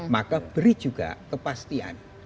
maka beri juga kepastian